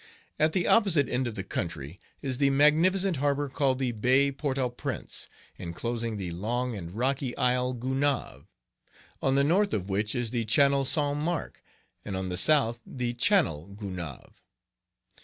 At the opposite end of the country, is the magnificent harbor called the Bay Port au Prince, enclosing the long and rocky isle Gonave, on the north of which is the Channel St. Marc, and on the south the Channel Gonave.